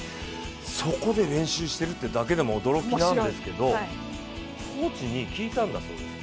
そこで練習してるっていうだけでも驚きなんですけどコーチに聞いたんだそうです。